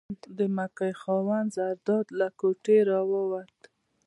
د مکۍ خاوند زرداد له کوټې راووت.